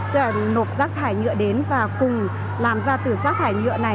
tức là nộp giác thải nhựa đến và cùng làm ra từ giác thải nhựa này